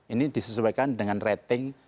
ini disesuaikan dengan rating